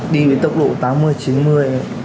đi với tốc độ tám mươi chín mươi